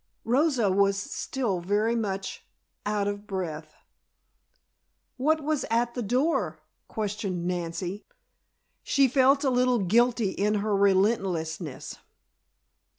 Rosa was still very much "out of breath." "What was at the door?" questioned Nancy. She felt a little guilty in her relentlessness.